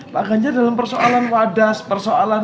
pak ganjar dalam persoalan wadas persoalan